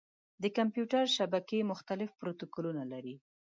د کمپیوټر شبکې مختلف پروتوکولونه لري.